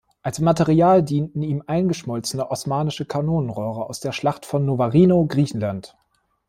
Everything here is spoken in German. Als Material dienten ihm eingeschmolzene osmanische Kanonenrohre aus der Schlacht von Navarino, Griechenland.